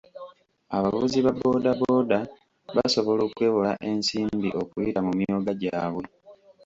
Abavuzi ba booda booda basobola okwewola ensimbi okuyita mu myoga gyabwe.